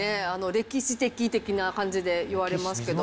歴史的的な感じで感じでいわれますけど。